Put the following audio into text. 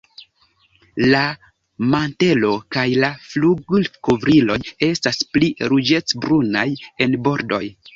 La mantelo kaj la flugilkovriloj estas pli ruĝecbrunaj en bordoj.